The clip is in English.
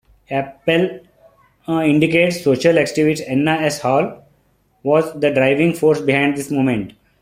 Appel indicates social activist Anna S. Hall was the driving force behind this movement.